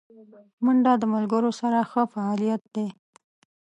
منډه د ملګرو سره ښه فعالیت دی